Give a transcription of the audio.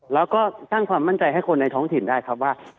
แล้วก็สร้างความมั่นใจให้คนในท้องถิ่นได้ครับว่า